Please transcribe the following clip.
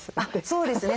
そうですね。